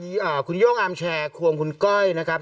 คุณโย่งอาร์มแชร์ควงคุณก้อยนะครับ